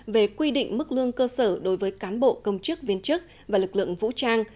về quy định mức lương cơ sở đối với cán bộ công chức viên chức và lực lượng vũ trang